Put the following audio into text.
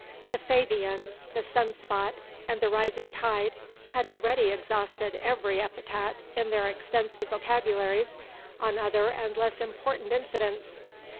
THE FABIAN, THE SUNSPOT, and THE RISING TIDE had already exhausted every epithet in their extensive vocabularies on other and less important incidents.